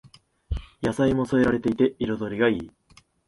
野菜も添えられていて彩りがいい